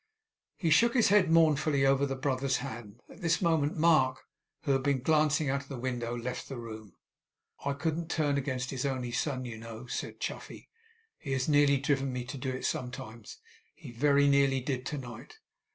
He shook his head mournfully over the brother's hand. At this moment Mark, who had been glancing out of the window, left the room. 'I couldn't turn against his only son, you know,' said Chuffey. 'He has nearly driven me to do it sometimes; he very nearly did tonight.